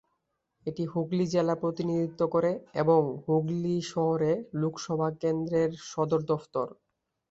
এটি হুগলি জেলা প্রতিনিধিত্ব করে এবং হুগলি শহরে লোকসভা কেন্দ্রের সদর দফতর।